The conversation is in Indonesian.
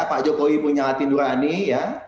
pak jokowi punya hati nurani ya